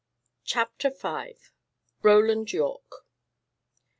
CHAPTER V. ROLAND YORKE.